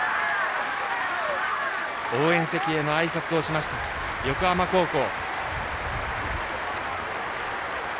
応援席へのあいさつをしました横浜高校。